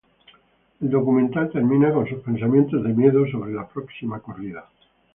El documental termina con sus pensamientos de miedo sobre la próxima corrida.